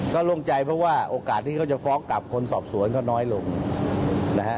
ก็โล่งใจเพราะว่าโอกาสที่เขาจะฟ้องกลับคนสอบสวนเขาน้อยลงนะฮะ